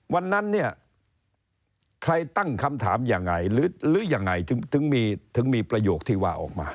วันนั้นเนี่ยใครตั้งคำถามยังไงหรือยังไงถึงมีประโยคที่ว่าออกมา